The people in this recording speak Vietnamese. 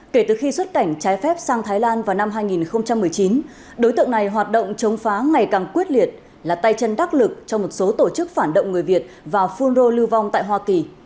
kể từ khi xuất cảnh trái phép sang thái lan vào năm hai nghìn một mươi chín đối tượng này hoạt động chống phá ngày càng quyết liệt là tay chân đắc lực cho một số tổ chức phản động người việt vào phun rô lưu vong tại hoa kỳ